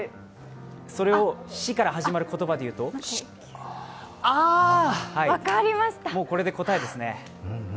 それをシから始まる言葉で言うとこれで答えですね。